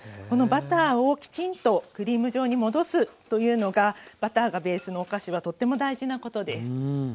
このバターをきちんとクリーム状に戻すというのがバターがベースのお菓子はとっても大事なことです。